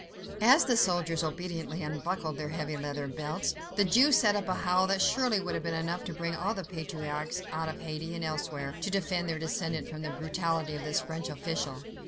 As the soldiers obediently unbuckled their heavy leather belts, the Jew set up a howl that surely would have been enough to bring all the patriarchs out of Hades and elsewhere, to defend their descendant from the brutality of this French official.